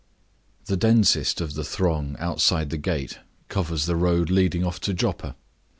The densest of the throng outside the gate covers the road leading off to Joppa.